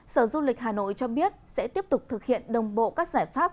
sở du lịch hà nội cho biết sẽ tiếp tục thực hiện đồng bộ các giải pháp